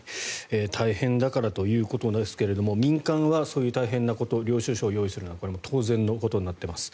大変だからということですが民間はそういう大変なこと領収書を用意するなんかこれはもう当然のことになっています。